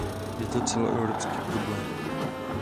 Je to celoevropský problém.